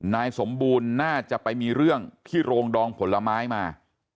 นายสมบูรณ์น่าจะไปมีเรื่องที่โรงดองผลไม้มา